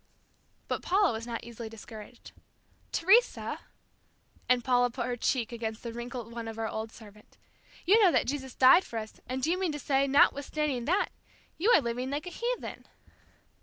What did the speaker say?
But Paula was not easily discouraged. "Teresa," and Paula put her cheek against the wrinkled one of our old servant, "you know that Jesus died for us, and do you mean to say, notwithstanding that, you are living like a heathen."